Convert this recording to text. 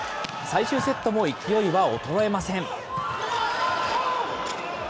最終セットも勢いは衰えません。